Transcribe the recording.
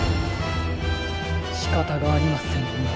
しかたがありませんね。